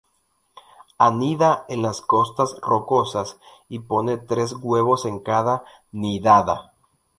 Anida en las costas rocosas y pone tres huevos en cada nidada.